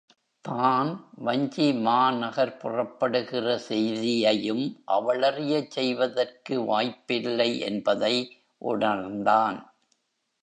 தான் வஞ்சிமாநகர் புறப்படுகிற செய்தியையும் அவளறியச் செய்வதற்கு வாய்ப்பில்லை என்பதை உணர்ந்தான்.